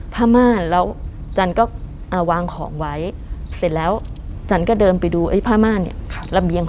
ผ้าม่านแล้วจันก็วางของไว้เสร็จแล้วจันก็เดินไปดูผ้าม่านเนี่ย